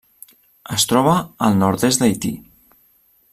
Es troba al nord-est d'Haití.